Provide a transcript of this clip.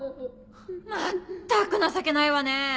まったく情けないわねぇ！